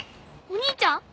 お兄ちゃん！？